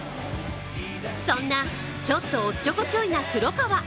そんな、ちょっとおっちょこちょいな黒川。